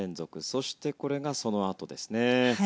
そして、これがそのあとですね。